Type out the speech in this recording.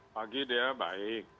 pagi dia baik